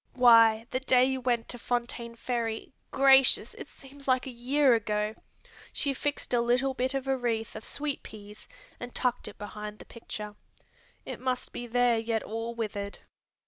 "Why, the day you went to Fontaine Ferry gracious, it seems a year ago! she fixed a little bit of a wreath of sweet peas and tucked it behind the picture. It must be there yet all withered."